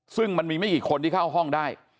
ซึ่งมันมีไม่กี่คนที่เข้าห้องได้